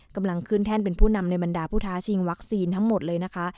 กำลังขึ้นแท่นเป็นผู้นำในบรรดาผู้ท้าชิงวัคซีนทั้งหมดเลยนะคะ